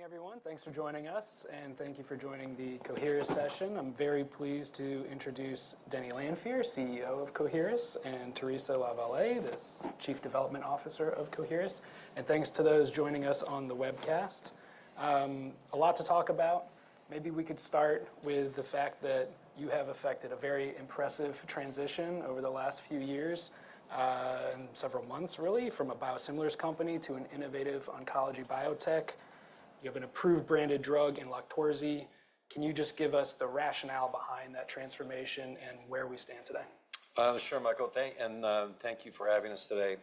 Morning, everyone. Thanks for joining us, and thank you for joining the Coherus session. I'm very pleased to introduce Denny Lanfear, CEO of Coherus, and Theresa LaVallee, the Chief Development Officer of Coherus. Thanks to those joining us on the webcast. A lot to talk about. Maybe we could start with the fact that you have effected a very impressive transition over the last few years, several months, really, from a biosimilars company to an innovative oncology biotech. You have an approved branded drug in LOQTORZI. Can you just give us the rationale behind that transformation and where we stand today? Sure, Michael. Thank you for having us today.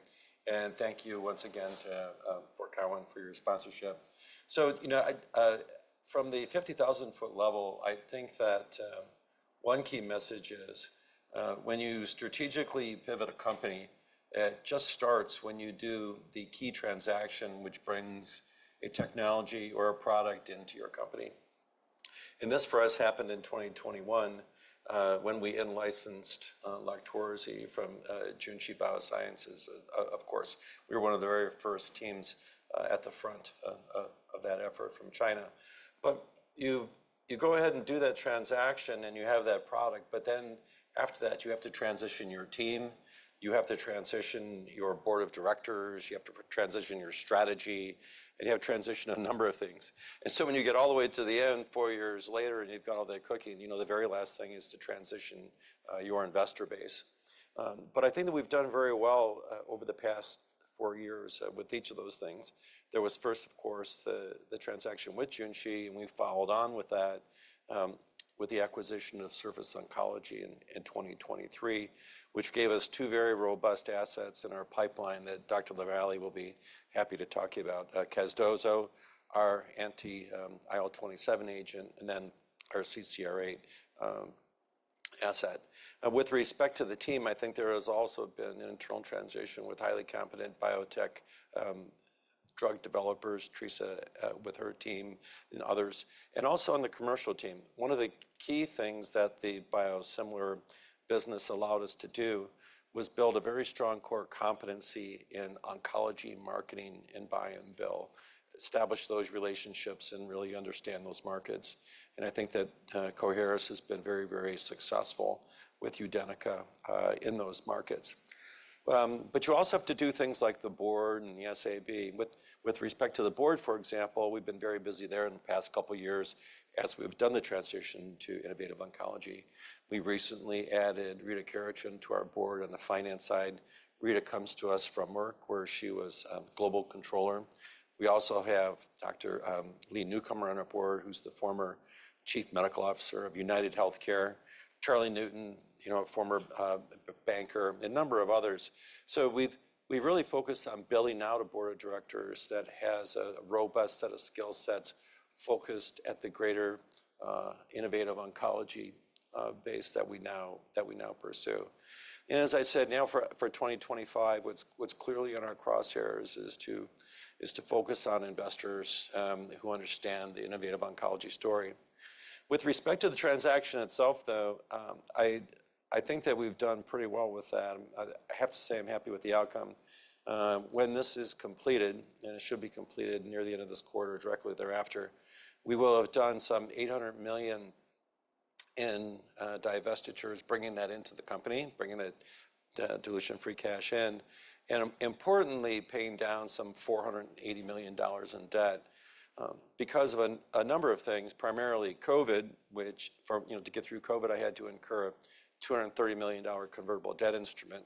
Thank you once again to for Cowen for your sponsorship. From the 50,000 ft level, I think that one key message is when you strategically pivot a company, it just starts when you do the key transaction which brings a technology or a product into your company. This for us happened in 2021 when we in-licensed LOQTORZI from Junshi Biosciences. Of course, we were one of the very first teams at the front of that effort from China. You go ahead and do that transaction, and you have that product. After that, you have to transition your team. You have to transition your board of directors. You have to transition your strategy. You have to transition a number of things. When you get all the way to the end, four years later, and you've got all that cooking, the very last thing is to transition your investor base. I think that we've done very well over the past four years with each of those things. There was first, of course, the transaction with Junshi, and we followed on with that with the acquisition of Surface Oncology in 2023, which gave us two very robust assets in our pipeline that Dr. LaVallee will be happy to talk to you about: casdozokitug, our anti-IL-27 agent, and then our CCR8 asset. With respect to the team, I think there has also been an internal transition with highly competent biotech drug developers, Theresa with her team, and others. Also in the commercial team, one of the key things that the biosimilar business allowed us to do was build a very strong core competency in oncology, marketing, and buy and bill, establish those relationships, and really understand those markets. I think that Coherus has been very, very successful with UDENYCA in those markets. You also have to do things like the board and the SAB. With respect to the board, for example, we have been very busy there in the past couple of years as we have done the transition to innovative oncology. We recently added Rita Karachun to our board on the finance side. Rita comes to us from Merck, where she was a global controller. We also have Dr. Lee Newcomer on our board, who is the former Chief Medical Officer of UnitedHealthcare, Charlie Newton, a former banker, and a number of others. We have really focused on building out a board of directors that has a robust set of skill sets focused at the greater innovative oncology base that we now pursue. As I said, now for 2025, what is clearly on our crosshairs is to focus on investors who understand the innovative oncology story. With respect to the transaction itself, though, I think that we have done pretty well with that. I have to say I am happy with the outcome. When this is completed, and it should be completed near the end of this quarter or directly thereafter, we will have done some $800 million in divestitures, bringing that into the company, bringing that dilution-free cash in, and importantly, paying down some $480 million in debt because of a number of things, primarily COVID, which to get through COVID, I had to incur a $230 million convertible debt instrument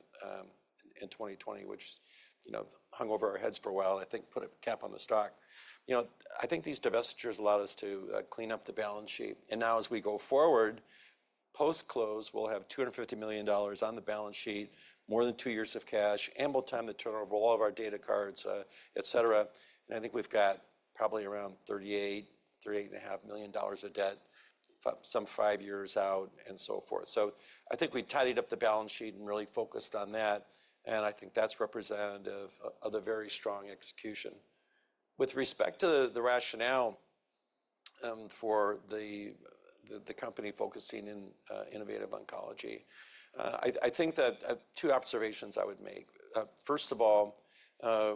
in 2020, which hung over our heads for a while and I think put a cap on the stock. I think these divestitures allowed us to clean up the balance sheet. Now as we go forward, post-close, we'll have $250 million on the balance sheet, more than two years of cash, ample time to turn over all of our data cards, et cetera. I think we've got probably around $38 million, $38.5 million of debt, some five years out, and so forth. I think we tidied up the balance sheet and really focused on that. I think that's representative of a very strong execution. With respect to the rationale for the company focusing in innovative oncology, I think that two observations I would make. First of all,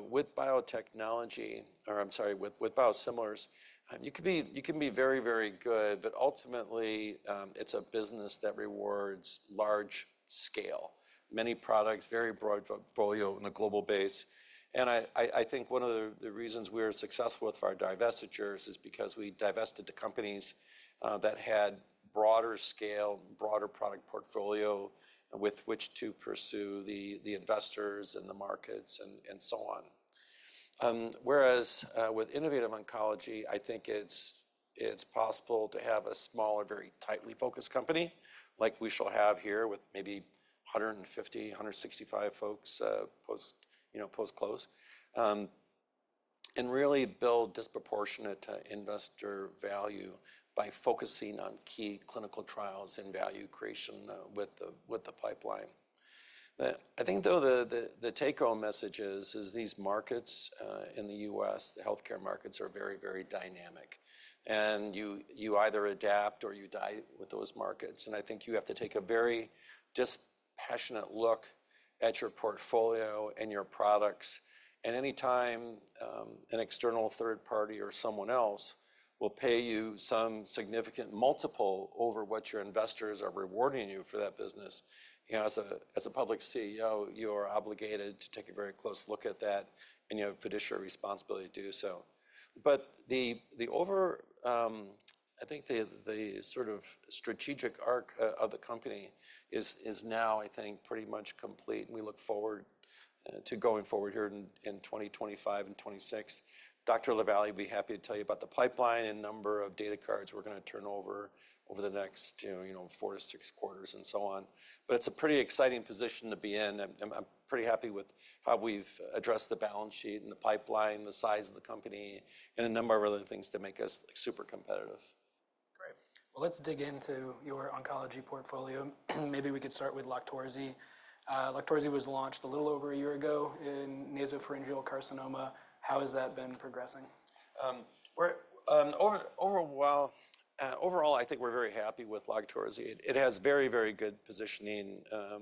with biotechnology, or I'm sorry, with biosimilars, you can be very, very good, but ultimately, it's a business that rewards large scale, many products, very broad portfolio on a global base. I think one of the reasons we were successful with our divestitures is because we divested the companies that had broader scale, broader product portfolio with which to pursue the investors and the markets and so on. Whereas with innovative oncology, I think it's possible to have a smaller, very tightly focused company, like we shall have here with maybe 150, 165 folks post-close, and really build disproportionate investor value by focusing on key clinical trials and value creation with the pipeline. I think, though, the take-home message is these markets in the U.S., the healthcare markets, are very, very dynamic. You either adapt or you die with those markets. I think you have to take a very dispassionate look at your portfolio and your products. Any time an external third party or someone else will pay you some significant multiple over what your investors are rewarding you for that business, as a public CEO, you are obligated to take a very close look at that, and you have fiduciary responsibility to do so. I think the sort of strategic arc of the company is now, I think, pretty much complete. We look forward to going forward here in 2025 and 2026. Dr. LaVallee would be happy to tell you about the pipeline and number of data cards we're going to turn over over the next four to six quarters and so on. It is a pretty exciting position to be in. I'm pretty happy with how we've addressed the balance sheet and the pipeline, the size of the company, and a number of other things to make us super competitive. Great. Let's dig into your oncology portfolio. Maybe we could start with LOQTORZI. LOQTORZI was launched a little over a year ago in nasopharyngeal carcinoma. How has that been progressing? Overall, I think we're very happy with LOQTORZI. It has very, very good positioning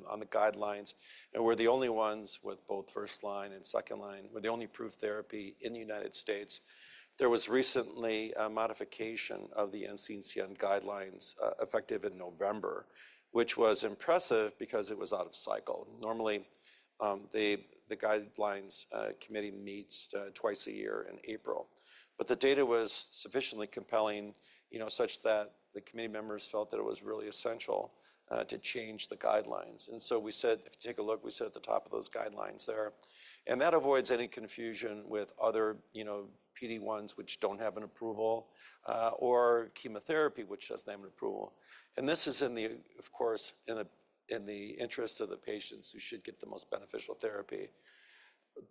on the guidelines. And we're the only ones with both first line and second line. We're the only approved therapy in the United States. There was recently a modification of the NCCN guidelines effective in November, which was impressive because it was out of cycle. Normally, the guidelines committee meets twice a year in April. The data was sufficiently compelling such that the committee members felt that it was really essential to change the guidelines. If you take a look, we sit at the top of those guidelines there. That avoids any confusion with other PD-1s, which do not have an approval, or chemotherapy, which does not have an approval. This is, of course, in the interest of the patients who should get the most beneficial therapy.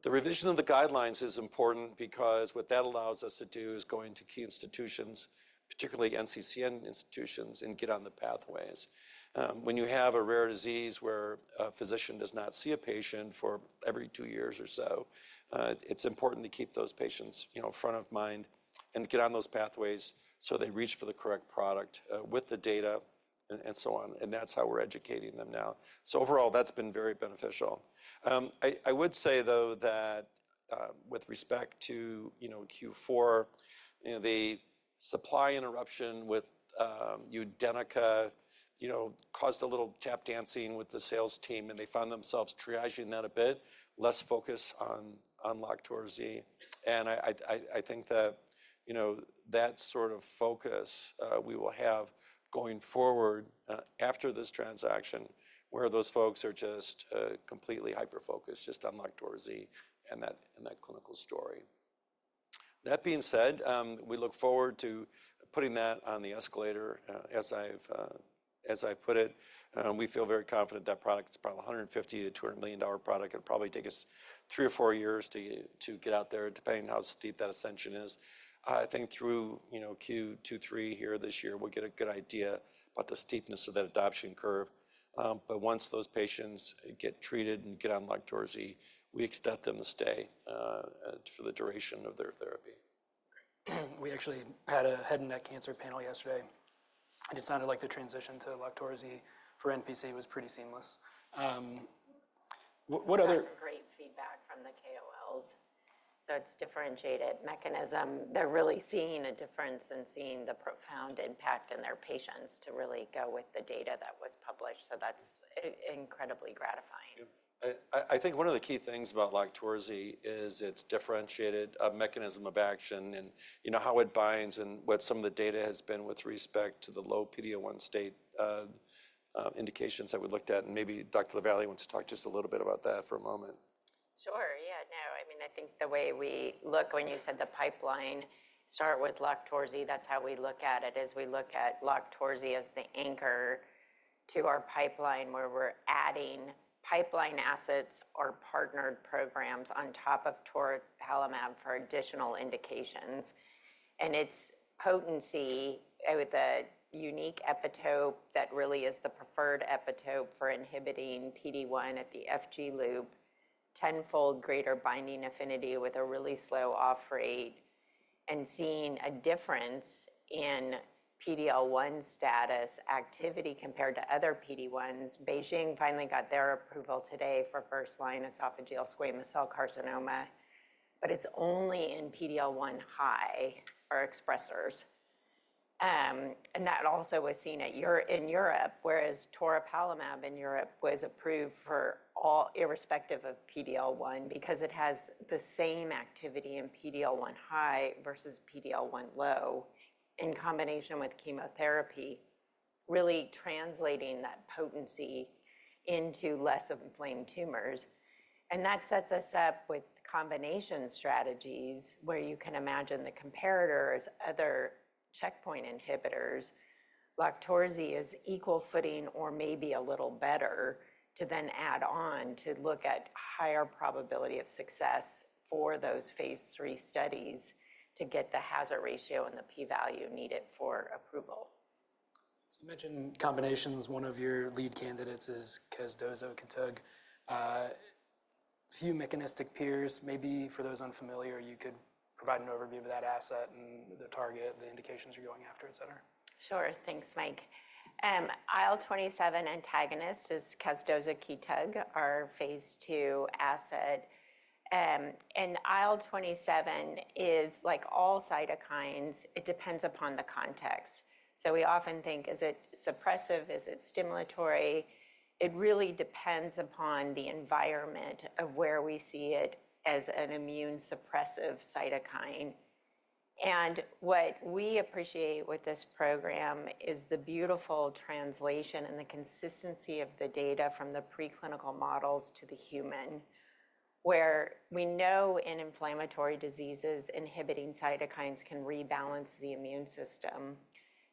The revision of the guidelines is important because what that allows us to do is go into key institutions, particularly NCCN institutions, and get on the pathways. When you have a rare disease where a physician does not see a patient for every two years or so, it's important to keep those patients front of mind and get on those pathways so they reach for the correct product with the data and so on. That's how we're educating them now. Overall, that's been very beneficial. I would say, though, that with respect to Q4, the supply interruption with UDENYCA caused a little tap dancing with the sales team, and they found themselves triaging that a bit, less focus on LOQTORZI. I think that that sort of focus we will have going forward after this transaction, where those folks are just completely hyper-focused just on LOQTORZI and that clinical story. That being said, we look forward to putting that on the escalator, as I've put it. We feel very confident that product is probably a $150 million-$200 million product. It'll probably take us three or four years to get out there, depending on how steep that ascension is. I think through Q2, Q3 here this year, we'll get a good idea about the steepness of that adoption curve. Once those patients get treated and get on LOQTORZI, we expect them to stay for the duration of their therapy. We actually had a head and neck cancer panel yesterday. It sounded like the transition to LOQTORZI for NPC was pretty seamless. That was great feedback from the KOLs. It is differentiated mechanism. They are really seeing a difference and seeing the profound impact in their patients to really go with the data that was published. That is incredibly gratifying. I think one of the key things about LOQTORZI is its differentiated mechanism of action and how it binds and what some of the data has been with respect to the low PD-1 state indications that we looked at. Maybe Dr. LaVallee wants to talk just a little bit about that for a moment. Sure. Yeah, no. I mean, I think the way we look when you said the pipeline start with LOQTORZI, that's how we look at it, is we look at LOQTORZI as the anchor to our pipeline where we're adding pipeline assets or partnered programs on top of toripalimab for additional indications. And its potency with a unique epitope that really is the preferred epitope for inhibiting PD-1 at the FG loop, tenfold greater binding affinity with a really slow off rate, and seeing a difference in PD-1 status activity compared to other PD-1s. BeiGene finally got their approval today for first line esophageal squamous cell carcinoma. It's only in PD-1 high or expressors. That also was seen in Europe, whereas toripalimab in Europe was approved for all irrespective of PD-1 because it has the same activity in PD-1 high versus PD-1 low in combination with chemotherapy, really translating that potency into less of inflamed tumors. That sets us up with combination strategies where you can imagine the comparators, other checkpoint inhibitors. LOQTORZI is equal footing or maybe a little better to then add on to look at higher probability of success for those phase III studies to get the hazard ratio and the P-value needed for approval. You mentioned combinations. One of your lead candidates is casdozokitug. Few mechanistic peers. Maybe for those unfamiliar, you could provide an overview of that asset and the target, the indications you're going after, et cetera. Sure. Thanks, Mike. IL-27 antagonist is casdozokitug, our phase II asset. IL-27 is like all cytokines. It depends upon the context. We often think, is it suppressive? Is it stimulatory? It really depends upon the environment of where we see it as an immune suppressive cytokine. What we appreciate with this program is the beautiful translation and the consistency of the data from the preclinical models to the human, where we know in inflammatory diseases, inhibiting cytokines can rebalance the immune system.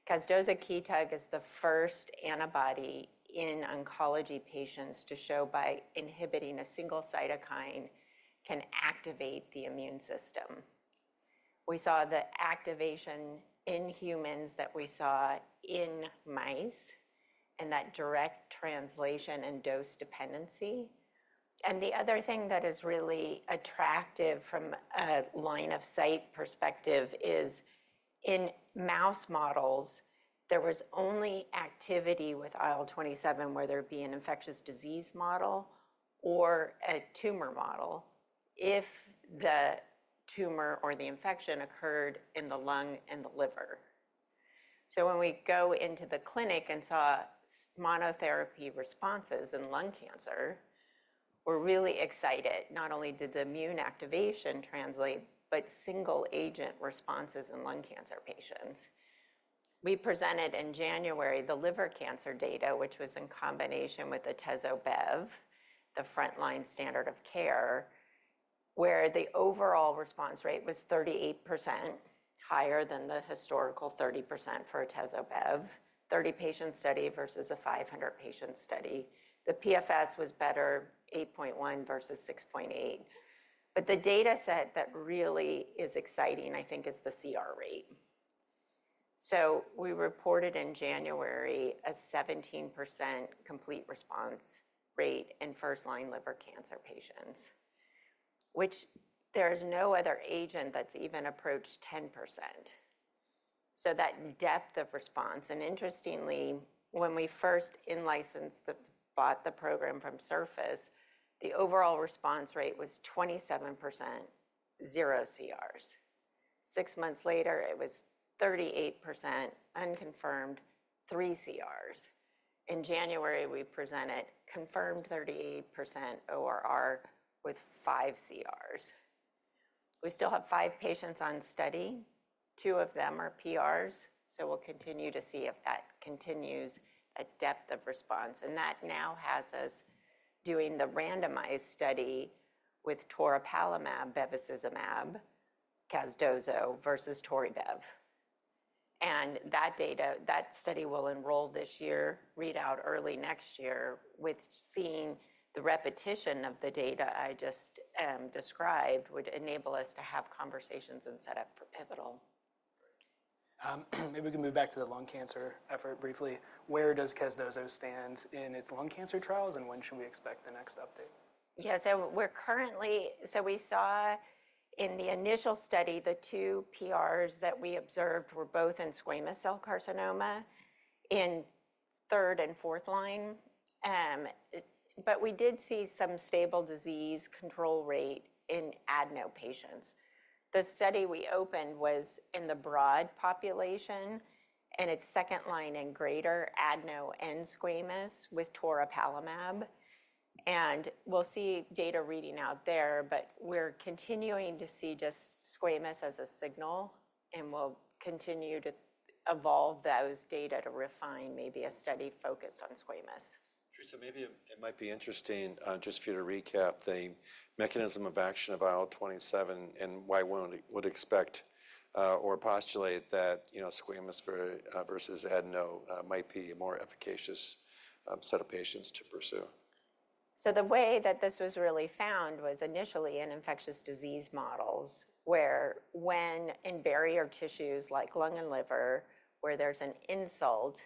Casdozokitug is the first antibody in oncology patients to show by inhibiting a single cytokine can activate the immune system. We saw the activation in humans that we saw in mice and that direct translation and dose dependency. The other thing that is really attractive from a line of sight perspective is in mouse models, there was only activity with IL-27, whether it be an infectious disease model or a tumor model, if the tumor or the infection occurred in the lung and the liver. When we go into the clinic and saw monotherapy responses in lung cancer, we're really excited. Not only did the immune activation translate, but single agent responses in lung cancer patients. We presented in January the liver cancer data, which was in combination with the atezo bev, the frontline standard of care, where the overall response rate was 38% higher than the historical 30% for atezo bev, 30 patient study versus a 500-patient study. The PFS was better, 8.1 versus 6.8. The data set that really is exciting, I think, is the CR rate. We reported in January a 17% complete response rate in first line liver cancer patients, which there is no other agent that's even approached 10%. That depth of response. Interestingly, when we first in-licensed the program from Surface, the overall response rate was 27%, zero CRs. Six months later, it was 38%, unconfirmed, three CRs. In January, we presented confirmed 38% ORR with five CRs. We still have five patients on study. Two of them are PRs. We'll continue to see if that continues a depth of response. That now has us doing the randomized study with toripalimab, bevacizumab, casdozokitug versus tori bev. That study will enroll this year, read out early next year, with seeing the repetition of the data I just described would enable us to have conversations and set up for pivotal. Maybe we can move back to the lung cancer effort briefly. Where does casdozokitug stand in its lung cancer trials, and when should we expect the next update? Yes. We saw in the initial study, the two PRs that we observed were both in squamous cell carcinoma in third and fourth line. We did see some stable disease control rate in adeno patients. The study we opened was in the broad population and its second line and greater adeno and squamous with toripalimab. We will see data reading out there, but we are continuing to see just squamous as a signal. We will continue to evolve those data to refine maybe a study focused on squamous. Theresa, maybe it might be interesting just for you to recap the mechanism of action of IL-27 and why one would expect or postulate that squamous versus adeno might be a more efficacious set of patients to pursue. The way that this was really found was initially in infectious disease models, where when in barrier tissues like lung and liver, where there's an insult,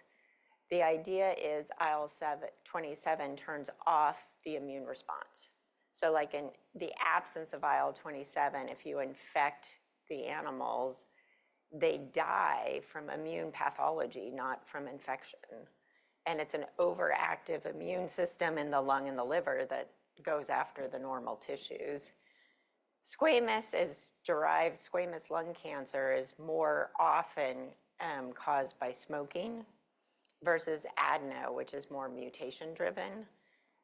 the idea is IL-27 turns off the immune response. Like in the absence of IL-27, if you infect the animals, they die from immune pathology, not from infection. It's an overactive immune system in the lung and the liver that goes after the normal tissues. Squamous lung cancer is more often caused by smoking versus adeno, which is more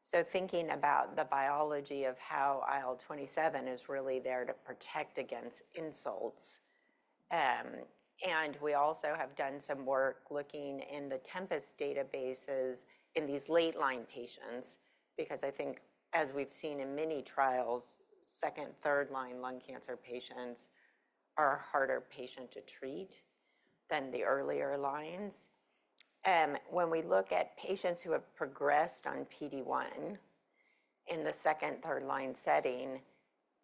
mutation-driven. Thinking about the biology of how IL-27 is really there to protect against insults. We also have done some work looking in the Tempus databases in these late line patients because I think, as we've seen in many trials, second, third line lung cancer patients are a harder patient to treat than the earlier lines. When we look at patients who have progressed on PD-1 in the second, third line setting,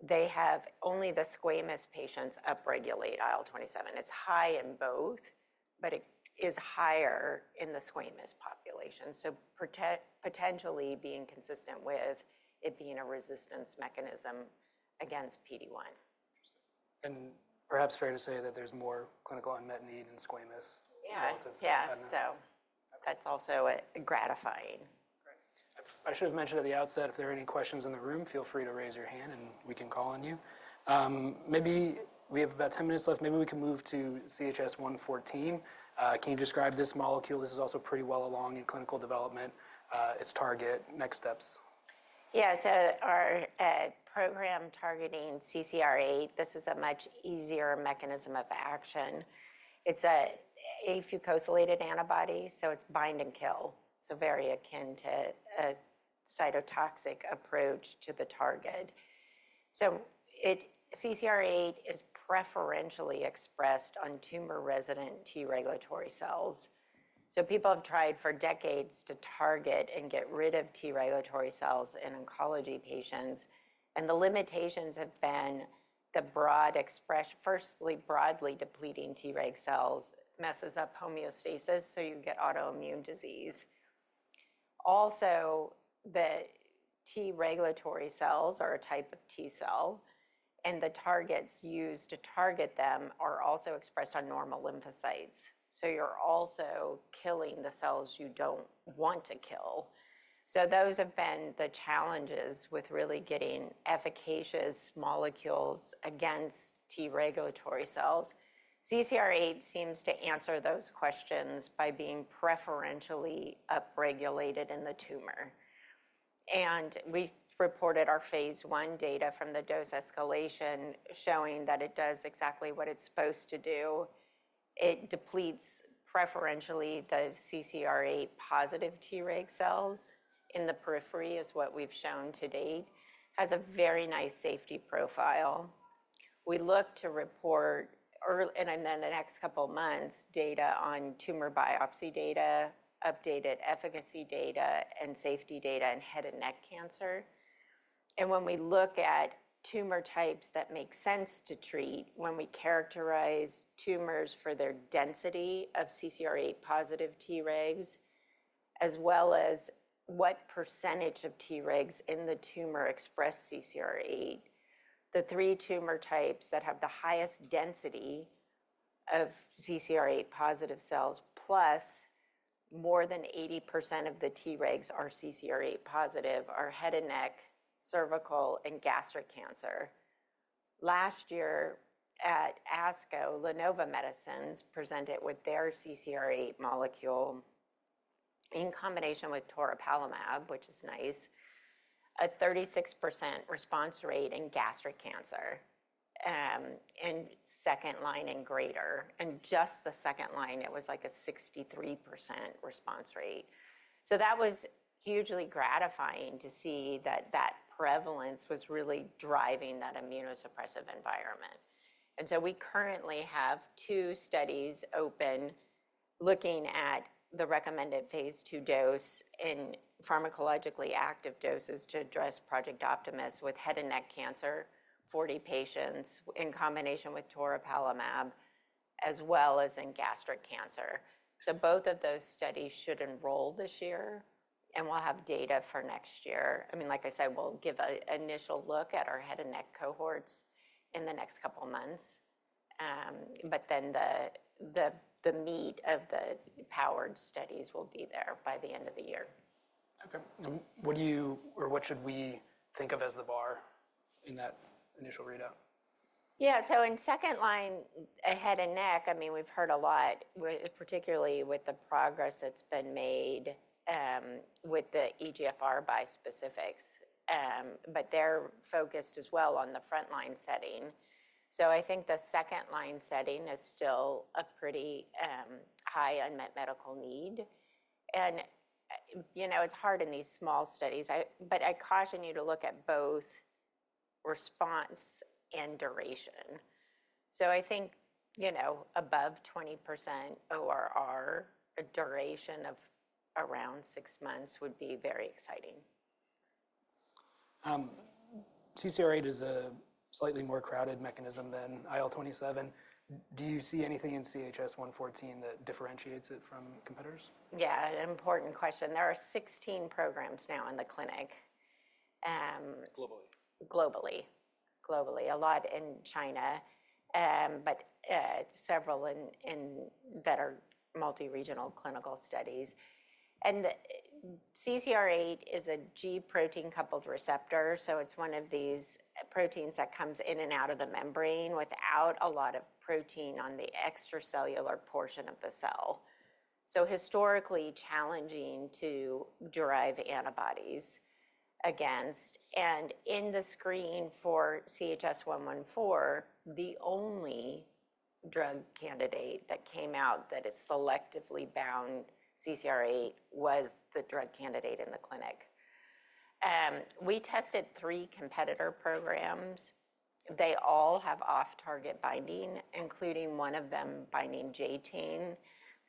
they have only the squamous patients upregulate IL-27. It's high in both, but it is higher in the squamous population. Potentially being consistent with it being a resistance mechanism against PD-1. Perhaps fair to say that there's more clinical unmet need in squamous. Yeah. That is also gratifying. I should have mentioned at the outset, if there are any questions in the room, feel free to raise your hand and we can call on you. Maybe we have about 10 minutes left. Maybe we can move to CHS-114. Can you describe this molecule? This is also pretty well along in clinical development. Its target, next steps. Yeah. Our program targeting CCR8, this is a much easier mechanism of action. It's an afucosylated antibody, so it's bind and kill. Very akin to a cytotoxic approach to the target. CCR8 is preferentially expressed on tumor resident T regulatory cells. People have tried for decades to target and get rid of T regulatory cells in oncology patients. The limitations have been the broad expression, firstly, broadly depleting T reg cells messes up homeostasis, so you get autoimmune disease. Also, the T regulatory cells are a type of T cell, and the targets used to target them are also expressed on normal lymphocytes. You're also killing the cells you don't want to kill. Those have been the challenges with really getting efficacious molecules against T regulatory cells. CCR8 seems to answer those questions by being preferentially upregulated in the tumor. We reported our phase I data from the dose escalation showing that it does exactly what it's supposed to do. It depletes preferentially the CCR8 positive T reg cells in the periphery, is what we've shown to date. Has a very nice safety profile. We look to report in the next couple of months data on tumor biopsy data, updated efficacy data, and safety data in head and neck cancer. When we look at tumor types that make sense to treat, when we characterize tumors for their density of CCR8 positive T regs, as well as what percentage of T regs in the tumor express CCR8, the three tumor types that have the highest density of CCR8 positive cells, plus more than 80% of the T regs are CCR8 positive, are head and neck, cervical, and gastric cancer. Last year at ASCO, LaNova Medicines presented with their CCR8 molecule in combination with toripalimab, which is nice, a 36% response rate in gastric cancer in second line and greater. In just the second line, it was like a 63% response rate. That was hugely gratifying to see that that prevalence was really driving that immunosuppressive environment. We currently have two studies open looking at the recommended phase II dose in pharmacologically active doses to address Project Optimus with head and neck cancer, 40 patients in combination with toripalimab, as well as in gastric cancer. Both of those studies should enroll this year, and we'll have data for next year. I mean, like I said, we'll give an initial look at our head and neck cohorts in the next couple of months. Then the meat of the powered studies will be there by the end of the year. Okay. What should we think of as the bar in that initial readout? Yeah. In second line head and neck, I mean, we've heard a lot, particularly with the progress that's been made with the EGFR bispecifics. They're focused as well on the frontline setting. I think the second line setting is still a pretty high unmet medical need. It's hard in these small studies, but I caution you to look at both response and duration. I think above 20% ORR, a duration of around six months would be very exciting. CCR8 is a slightly more crowded mechanism than IL-27. Do you see anything in CHS-114 that differentiates it from competitors? Yeah. An important question. There are 16 programs now in the clinic. Globally. Globally. Globally. A lot in China, but several that are multi-regional clinical studies. CCR8 is a G protein-coupled receptor. It is one of these proteins that comes in and out of the membrane without a lot of protein on the extracellular portion of the cell. Historically challenging to derive antibodies against. In the screen for CHS-114, the only drug candidate that came out that is selectively bound CCR8 was the drug candidate in the clinic. We tested three competitor programs. They all have off-target binding, including one of them binding [J18].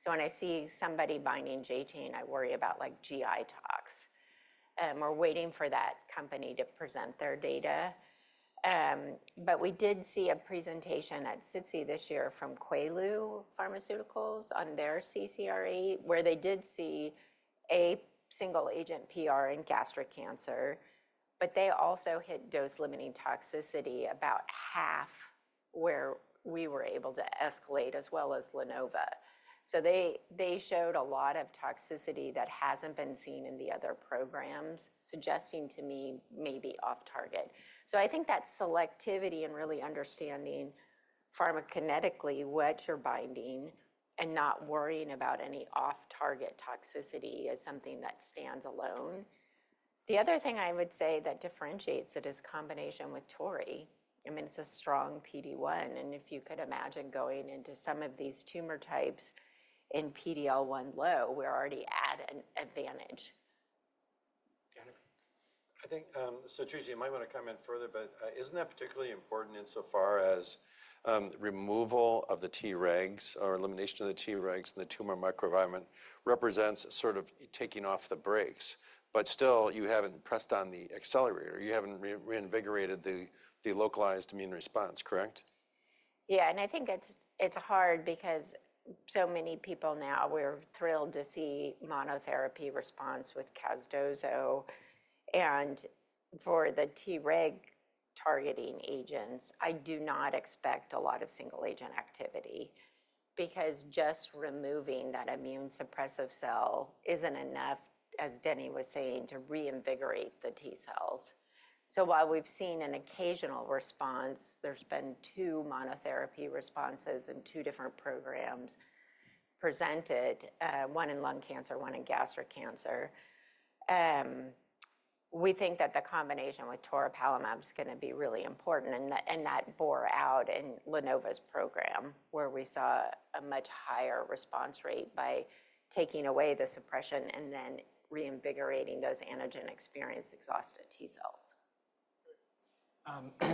When I see somebody binding [J18], I worry about GI tox. We are waiting for that company to present their data. We did see a presentation at SITC this year from Qilu Pharmaceutical on their CCR8, where they did see a single agent PR in gastric cancer. They also hit dose limiting toxicity at about half where we were able to escalate, as well as LaNova. They showed a lot of toxicity that has not been seen in the other programs, suggesting to me maybe off-target. I think that selectivity and really understanding pharmacokinetically what you are binding and not worrying about any off-target toxicity is something that stands alone. The other thing I would say that differentiates it is combination with Tori. I mean, it is a strong PD-1. If you could imagine going into some of these tumor types in PD-1 low, we are already at an advantage. I think, Theresa, you might want to comment further, but isn't that particularly important insofar as removal of the Tregs or elimination of the Tregs in the tumor microenvironment represents sort of taking off the brakes. Still, you haven't pressed on the accelerator. You haven't reinvigorated the localized immune response, correct? Yeah. I think it's hard because so many people now, we're thrilled to see monotherapy response with casdozokitug. For the Treg targeting agents, I do not expect a lot of single agent activity because just removing that immune suppressive cell isn't enough, as Denny was saying, to reinvigorate the T cells. While we've seen an occasional response, there's been two monotherapy responses in two different programs presented, one in lung cancer, one in gastric cancer. We think that the combination with toripalimab is going to be really important. That bore out in Innovent's program, where we saw a much higher response rate by taking away the suppression and then reinvigorating those antigen experienced exhausted T cells.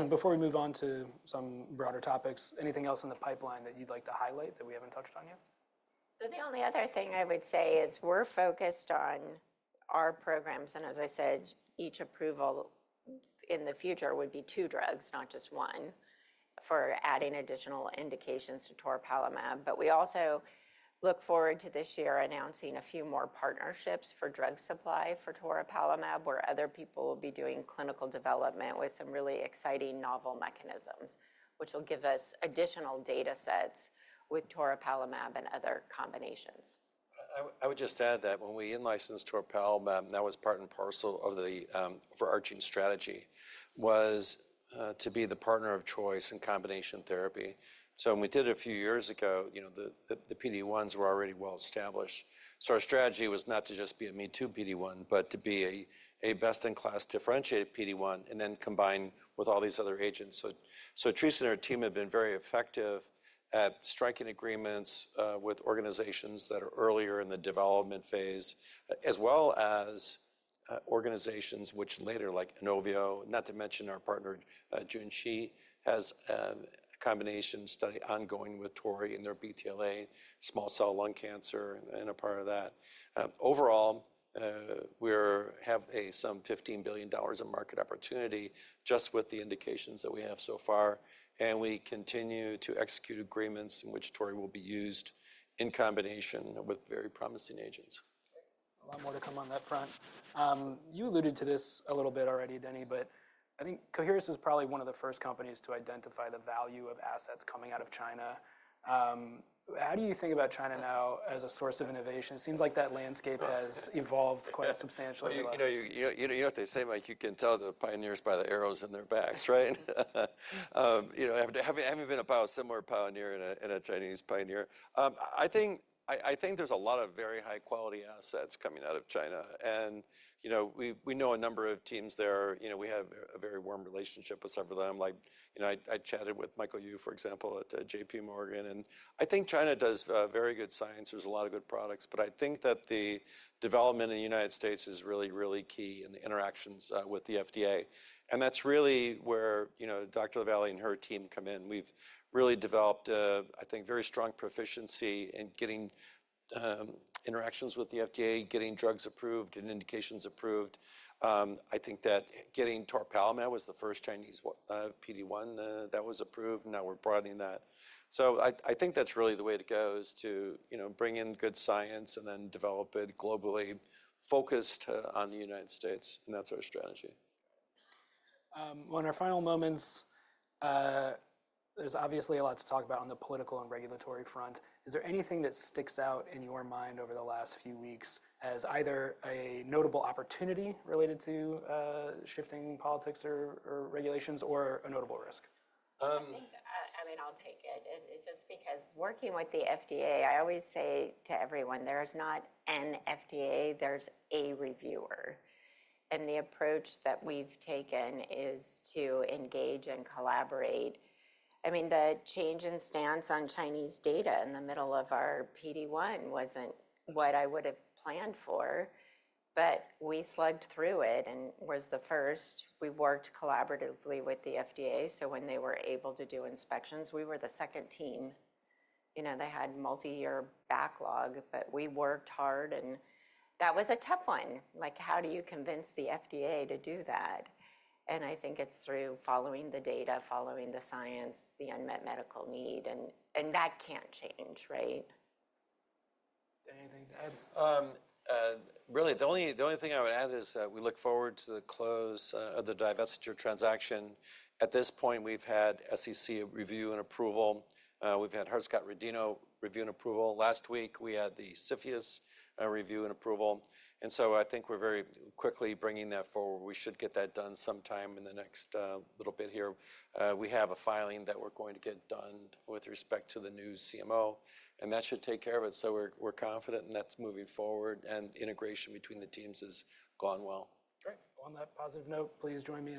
Before we move on to some broader topics, anything else in the pipeline that you'd like to highlight that we haven't touched on yet? The only other thing I would say is we're focused on our programs. As I said, each approval in the future would be two drugs, not just one, for adding additional indications to toripalimab. We also look forward to this year announcing a few more partnerships for drug supply for toripalimab, where other people will be doing clinical development with some really exciting novel mechanisms, which will give us additional data sets with toripalimab and other combinations. I would just add that when we licensed toripalimab, that was part and parcel of the overarching strategy, was to be the partner of choice in combination therapy. When we did it a few years ago, the PD-1s were already well established. Our strategy was not to just be a me-too PD-1, but to be a best-in-class differentiated PD-1 and then combine with all these other agents. Theresa and her team have been very effective at striking agreements with organizations that are earlier in the development phase, as well as organizations which later, like Inovio, not to mention our partner Junshi, has a combination study ongoing with Tori in their BTLA, small cell lung cancer, and a part of that. Overall, we have some $15 billion of market opportunity just with the indications that we have so far. We continue to execute agreements in which Tori will be used in combination with very promising agents. A lot more to come on that front. You alluded to this a little bit already, Denny, but I think Coherus is probably one of the first companies to identify the value of assets coming out of China. How do you think about China now as a source of innovation? It seems like that landscape has evolved quite substantially. You know what they say, you can tell the pioneers by the arrows in their backs, right? Haven't even about a similar pioneer and a Chinese pioneer. I think there's a lot of very high-quality assets coming out of China. And we know a number of teams there. We have a very warm relationship with several of them. I chatted with Michael Yu, for example, at JPMorgan. I think China does very good science. There's a lot of good products. I think that the development in the United States is really, really key in the interactions with the FDA. That's really where Dr. LaVallee and her team come in. We've really developed, I think, very strong proficiency in getting interactions with the FDA, getting drugs approved and indications approved. I think that getting toripalimab was the first Chinese PD-1 that was approved. Now we're broadening that. I think that's really the way to go is to bring in good science and then develop it globally focused on the United States. That's our strategy. In our final moments, there's obviously a lot to talk about on the political and regulatory front. Is there anything that sticks out in your mind over the last few weeks as either a notable opportunity related to shifting politics or regulations or a notable risk? I mean, I'll take it. Just because working with the FDA, I always say to everyone, there's not an FDA, there's a reviewer. The approach that we've taken is to engage and collaborate. I mean, the change in stance on Chinese data in the middle of our PD-1 wasn't what I would have planned for. We slugged through it and was the first. We worked collaboratively with the FDA. When they were able to do inspections, we were the second team. They had multi-year backlog, but we worked hard. That was a tough one. How do you convince the FDA to do that? I think it's through following the data, following the science, the unmet medical need. That can't change, right? Anything to add? Really, the only thing I would add is we look forward to the close of the divestiture transaction. At this point, we've had SEC review and approval. We've had Hart-Scott-Rodino review and approval. Last week, we had the CFIUS review and approval. I think we're very quickly bringing that forward. We should get that done sometime in the next little bit here. We have a filing that we're going to get done with respect to the new CMO. That should take care of it. We're confident in that's moving forward. Integration between the teams has gone well. Great. On that positive note, please join me.